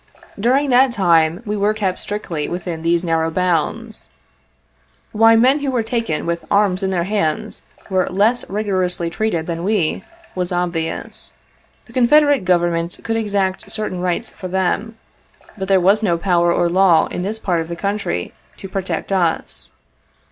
During that time, we were kept strictly within those narrow bounds. Why men who were taken with arms in their hands were less rigorously treated than we, was obvious. The Confederate Government could exact certain rights for them, but there was no power or law in this part of the country, to protect us.